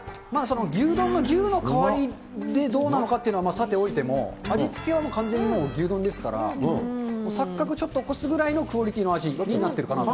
牛丼の牛の代わりでどうなのかっていうのは、さておいても、味つけはもう完全に牛丼ですから、錯覚、ちょっと起こすぐらいのクオリティーの味になってるかなと。